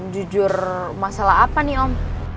jujur masalah apa nih om